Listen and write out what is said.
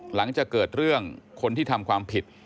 หลังจากเกิดเรื่องคนที่ทำความผิด